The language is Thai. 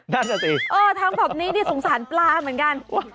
นั่นน่ะสิเออทำแบบนี้นี่สงสารปลาเหมือนกัน